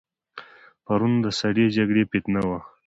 پرون د سړې جګړې فتنه وه.